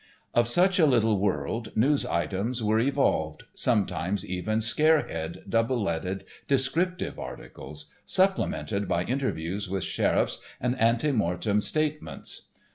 Of such a little world news items are evolved—sometimes even scare head, double leaded descriptive articles—supplemented by interviews with sheriffs and ante mortem statements.